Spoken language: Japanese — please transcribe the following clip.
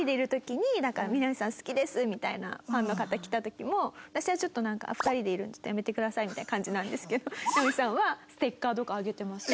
「みな実さん好きです」みたいなファンの方来た時も私はちょっとなんか「２人でいるんでちょっとやめてください」みたいな感じなんですけどみな実さんはステッカーとかあげてました。